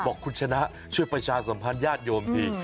บอกคุณชนะช่วยประชาสัมภารยาธิโยมที่